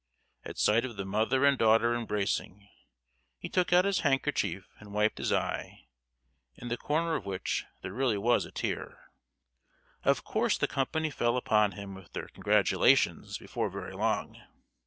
At sight of the mother and daughter embracing, he took out his handkerchief, and wiped his eye, in the corner of which there really was a tear. Of course the company fell upon him with their congratulations before very long.